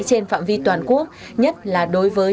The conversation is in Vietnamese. trên phạm vi toàn quốc nhất là đối với